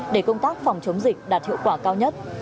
để công tác phòng chống dịch đạt hiệu quả cao nhất